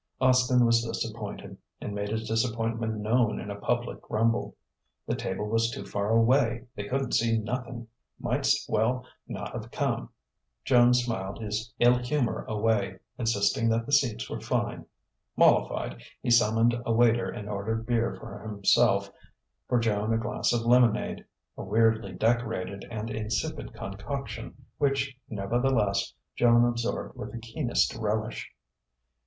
Austin was disappointed, and made his disappointment known in a public grumble: the table was too far away; they couldn't see nothin' might's well not've come. Joan smiled his ill humour away, insisting that the seats were fine. Mollified, he summoned a waiter and ordered beer for himself, for Joan a glass of lemonade a weirdly decorated and insipid concoction which, nevertheless, Joan absorbed with the keenest relish.